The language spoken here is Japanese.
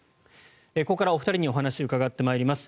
ここからお二人にお話をお伺いします。